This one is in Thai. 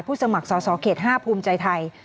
สมัครสอสอเขต๕ภูมิใจไทย